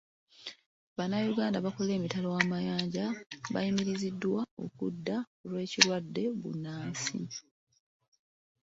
Bannayuganda abakolera emitala wamayanja bayimiriziddwa okudda olw'ekirwadde bbunansi.